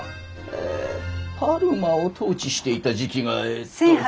えパルマを統治していた時期がえっと。